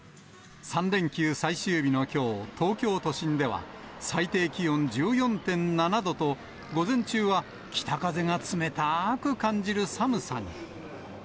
３連休最終日のきょう、東京都心では最低気温１４．７度と、午前中は北風が冷たく感じる寒さに。